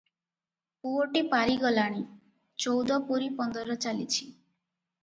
ପୁଅଟି ପାରି ଗଲାଣି, ଚଉଦ ପୁରୀ ପନ୍ଦର ଚାଲିଛି ।